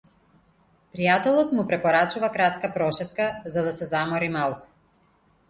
Пријателот му препорачува кратка прошетка, за да се замори малку.